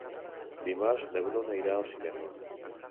Dimarts na Bruna irà al cinema.